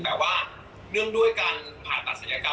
แต่ว่าเนื่องด้วยการผ่าตัดศัลยกรรม